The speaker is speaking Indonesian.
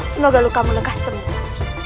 semoga lukamu lekas semua